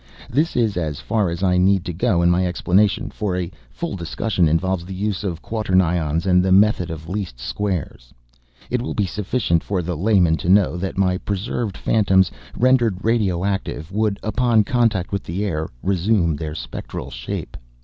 This is as far as I need to go in my explanation, for a full discussion involves the use of quaternions and the method of least squares. It will be sufficient for the layman to know that my preserved phantoms, rendered radio active, would, upon contact with the air, resume their spectral shape.